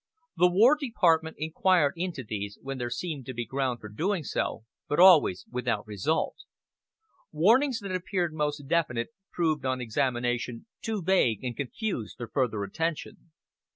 The War Department inquired into these when there seemed to be ground for doing so, but always without result. Warnings that appeared most definite proved on examination too vague and confused for further attention.